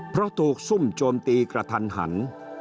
เพราะถูกซุ่มโจมตีกระทันหัน